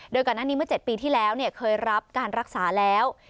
ด้วยกันอันนี้เมื่อ๗ปีที่แล้วเนี่ยเคยรับการรักษาแล้ว